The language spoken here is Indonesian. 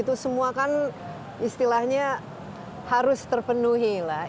itu semua kan istilahnya harus terpenuhi lah